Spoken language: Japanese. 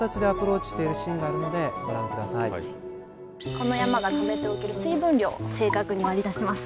この山がためておける水分量を正確に割り出します。